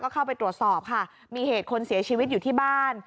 เข้าไปตรวจสอบค่ะมีเหตุคนเสียชีวิตอยู่ที่บ้าน